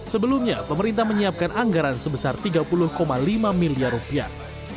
sebelumnya pemerintah menyiapkan anggaran sebesar tiga puluh lima miliar rupiah